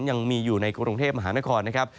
ยังมีอยู่ในกรุงเทพมหานครนะครับ